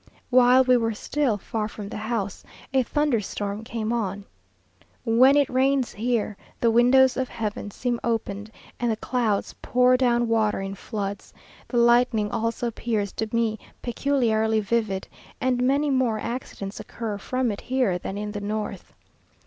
While we were still far from the house, a thunderstorm came on. When it rains here, the windows of heaven seem opened, and the clouds pour down water in floods; the lightning also appears to me peculiarly vivid, and many more accidents occur from it here than in the north.